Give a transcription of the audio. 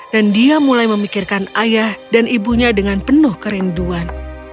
dan dia mulai memikirkan ayah dan ibunya dengan penuh kerinduan